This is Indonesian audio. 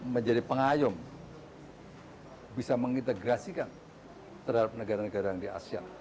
dan saya pengayum bisa mengintegrasikan terhadap negara negara yang di asia